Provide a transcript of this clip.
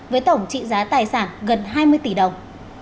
với tổng trị giá tài sản gần hai mươi tỷ đồng